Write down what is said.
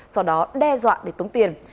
sau đó đe dọa để tống tiền